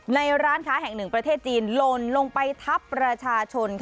ร้านค้าแห่งหนึ่งประเทศจีนลนลงไปทับประชาชน